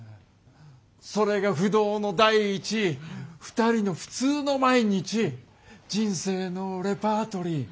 それが不動の第１位２人の普通の毎日人生のレパートリー